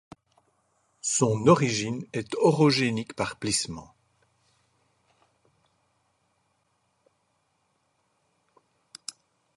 Son origine est orogénique par plissement.